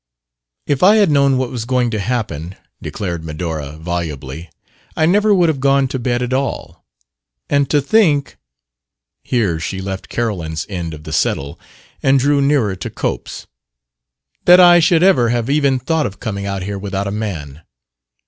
"If I had known what was going to happen," declared Medora volubly, "I never could have gone to bed at all! And to think" here she left Carolyn's end of the settle and drew nearer to Cope's "that I should ever have even thought of coming out here without a man!"